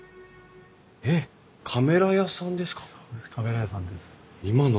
えっカメラ屋さんですか？